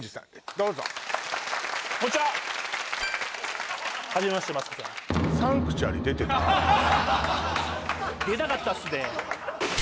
どうぞこんにちははじめましてマツコさん出たかったっすね